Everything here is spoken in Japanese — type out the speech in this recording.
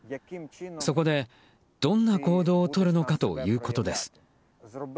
そこでどんな行動をとるのかということです。